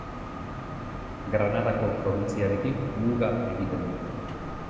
Granadako probintziarekin muga egiten du.